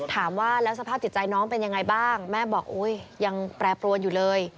ถามว่าแล้วสภาพจิตใจน้องเป็นยังไงบ้างแม่บอกโอ๊ยยังแปรปรวนอยู่เลย